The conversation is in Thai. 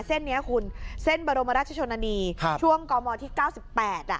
เส้นนี้คุณเส้นบรมรัชชนานีช่วงกมที่๙๘อ่ะ